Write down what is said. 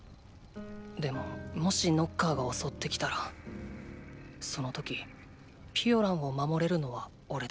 でももしノッカーがおそってきたらその時ピオランを守れるのはおれだけ。